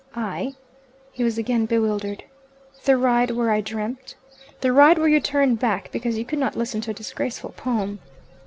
"I " he was again bewildered. "The ride where I dreamt " "The ride where you turned back because you could not listen to a disgraceful poem?"